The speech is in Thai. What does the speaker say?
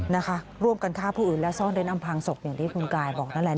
นะคะร่วมกันฆ่าผู้อื่นและซ่อนเร้นอำพังศพอย่างที่คุณกายบอกนั่นแหละ